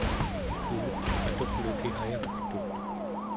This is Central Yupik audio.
tumet aturluki ayagtut